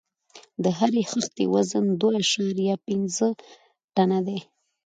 د هرې خښتې وزن دوه اعشاریه پنځه ټنه دی.